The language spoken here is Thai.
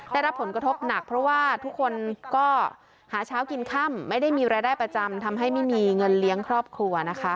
ได้รับผลกระทบหนักเพราะว่าทุกคนก็หาเช้ากินค่ำไม่ได้มีรายได้ประจำทำให้ไม่มีเงินเลี้ยงครอบครัวนะคะ